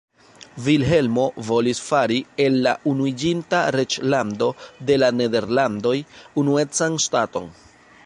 Vilhelmo volis fari el la Unuiĝinta Reĝlando de la Nederlandoj unuecan ŝtaton.